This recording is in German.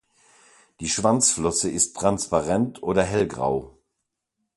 Die Schwanzflosse ist transparent oder hellgrau.